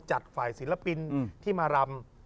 จัดฝ่ายศิลปินที่มารำ